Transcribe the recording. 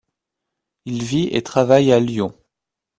Il vit et travaille à Lyon.